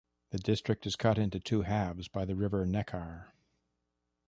The district is cut into two halves by the river Neckar.